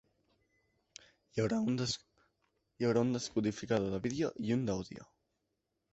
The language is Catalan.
Hi haurà un descodificador de vídeo i un d'àudio.